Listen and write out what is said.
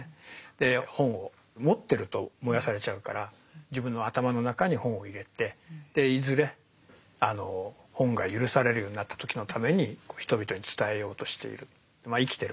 で本を持ってると燃やされちゃうから自分の頭の中に本を入れていずれ本が許されるようになった時のために人々に伝えようとしている。